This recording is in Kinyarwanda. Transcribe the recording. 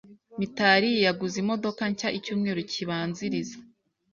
Mitari Yaguze imodoka nshya icyumweru kibanziriza.